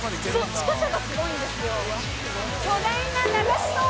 近さがすごいんですよ。